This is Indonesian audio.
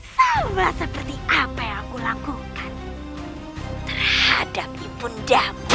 tahulah seperti apa yang aku lakukan terhadap ibundamu